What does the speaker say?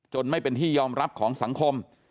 ไม่เป็นที่ยอมรับของสังคม